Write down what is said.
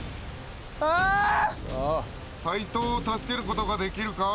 斉藤を助けることができるか。